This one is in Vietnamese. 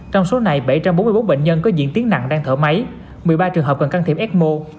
trong số này bảy trăm bốn mươi bốn bệnh nhân có diễn tiến nặng đang thở máy một mươi ba trường hợp cần can thiệp ecmo